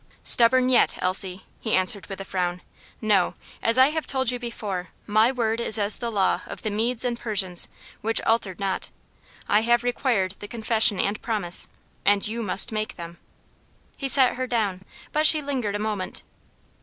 "Stubborn yet, Elsie," he answered with a frown. "No; as I have told you before, my word is as the law of the Medes and Persians, which altered not. I have required the confession and promise, and you must make them." He set her down, but she lingered a moment.